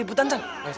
itu tempatnya aja